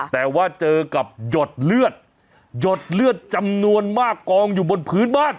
แต่ว่าเจอกับหยดเลือดหยดเลือดจำนวนมากกองอยู่บนพื้นบ้าน